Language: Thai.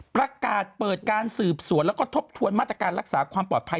ประกาศเปิดการสืบสวนแล้วก็ทบทวนมาตรการรักษาความปลอดภัย